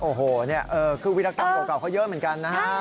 โอ้โหนี่คือวิรากรรมเก่าเขาเยอะเหมือนกันนะฮะ